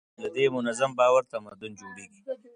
له دې منظم باور تمدن جوړېږي.